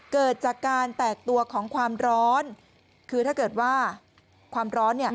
เกิดจากการแตกตัวของความร้อนคือถ้าเกิดว่าความร้อน